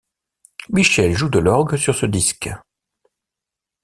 Michel joue de l’orgue sur ce disque.